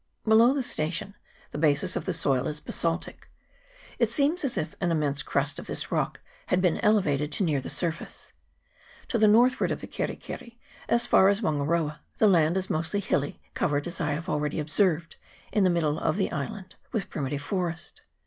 Below the station the basis of the soil is basaltic. It seems as if an immense crust of this rock had been elevated to near the surface. To the north ward of the Keri keri, as far as Wangaroa, the land is mostly hilly, covered, as I have already observed, in the middle of the island, with primitive forest.